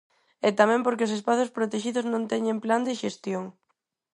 E tamén porque os espazos protexidos non teñen plan de xestión.